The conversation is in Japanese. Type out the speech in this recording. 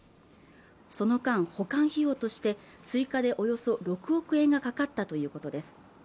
その間保管費用として追加でおよそ６億円がかかったということです